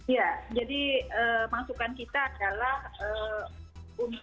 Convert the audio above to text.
ya jadi masukan kita adalah untuk satu aksi